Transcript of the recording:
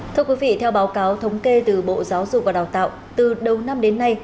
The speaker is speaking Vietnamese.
thưa quý vị theo báo cáo thống kê từ bộ giáo dục và đào tạo từ đầu năm đến nay